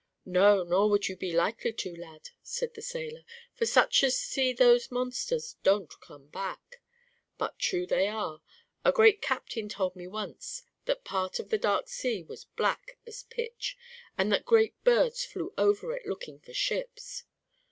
"No, nor would you be likely to, lad," said the sailor, "for such as see those monsters don't come back. But true they are. A great captain told me once that part of the Dark Sea was black as pitch, and that great birds flew over it looking for ships.